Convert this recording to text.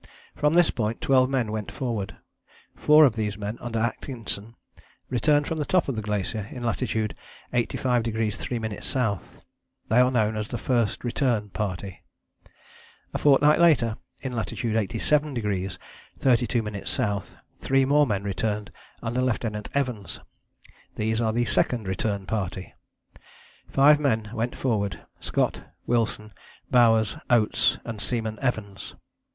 From this point twelve men went forward. Four of these men under Atkinson returned from the top of the glacier in latitude 85° 3´ S.: they are known as the First Return Party. A fortnight later in latitude 87° 32´ S. three more men returned under Lieutenant Evans: these are the Second Return Party. Five men went forward, Scott, Wilson, Bowers, Oates and Seaman Evans.